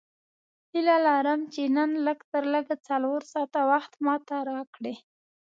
هیله لرم چې نن لږ تر لږه څلور ساعته وخت ماته راکړې.